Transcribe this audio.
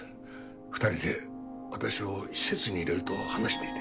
２人で私を施設に入れると話していて。